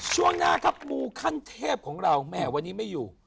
ช่วงหน้าครับมูขั้นเทพของเราแหมวันนี้ไม่อยู่